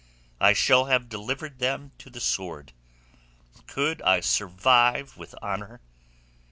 I shall have delivered them to the sword. Could I survive with honour?